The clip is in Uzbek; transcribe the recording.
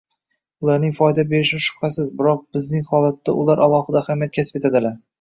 Ularning foyda berishi shubhasiz, biroq bizning holatda ular alohida ahamiyat kasb etadilar.